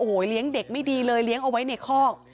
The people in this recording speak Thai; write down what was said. โอ้โหเลี้ยงเด็กไม่ดีเลยเลี้ยงเอาไว้ในคอก